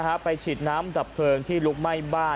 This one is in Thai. ไปฉีดน้ำดับเพลิงที่ลุกไหม้บ้าน